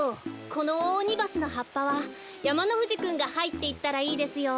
このオオオニバスのはっぱはやまのふじくんがはいっていったらいいですよ。